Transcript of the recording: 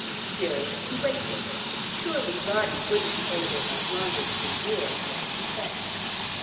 Still, he waited: surely Roddy wouldn't be able much longer to endure such suspense....